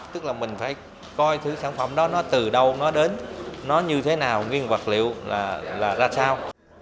tức là mình phải coi thứ sản phẩm đó nó từ đâu nó đến nó như thế nào nguyên vật liệu là ra sao